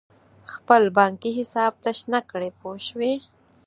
خپل بانکي حساب تش نه کړې پوه شوې!.